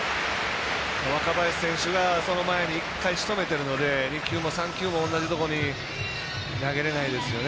若林選手がその前に１回しとめてるので２球も３球も同じところに投げれないですよね。